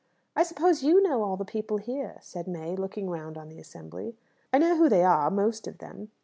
"I suppose you know all the people here," said May, looking round on the assembly. "I know who they are, most of them."